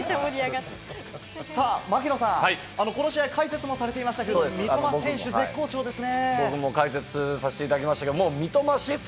槙野さん、この試合、解説もされていましたけど、三笘選手、絶好調ですね。